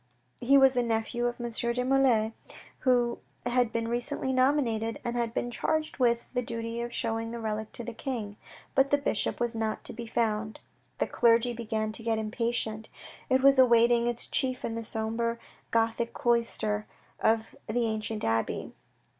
He was a nephew of M. de la Mole, who had been recently nominated, and had been charged with the duty of showing the relic to the King. But the bishop was not to be found. The clergy began to get impatient. It was awaiting its chief in the sombre Gothic cloister of the ancient abbey.